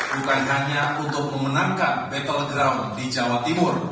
bukan hanya untuk memenangkan battle drum di jawa timur